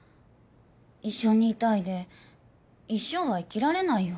一緒にいたいで一生は生きられないよ